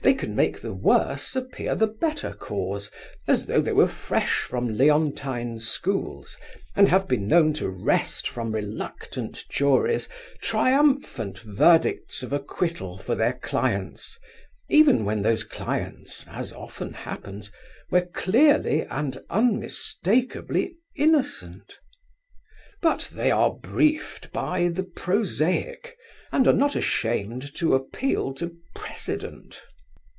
They can make the worse appear the better cause, as though they were fresh from Leontine schools, and have been known to wrest from reluctant juries triumphant verdicts of acquittal for their clients, even when those clients, as often happens, were clearly and unmistakeably innocent. But they are briefed by the prosaic, and are not ashamed to appeal to precedent.